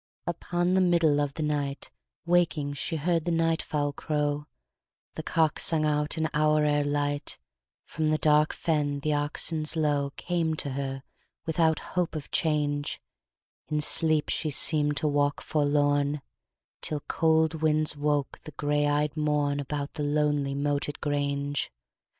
Upon the middle of the night, Waking she heard the night fowl crow: The cock sung out an hour ere light: From the dark fen the oxen's low Came to her: without hope of change, In sleep she seem'd to walk forlorn, Till cold winds woke the gray eyed morn About the lonely moated grange.